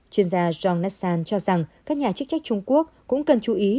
chuyên gia john nessan cho rằng các nhà chức trách trung quốc cũng cần chú ý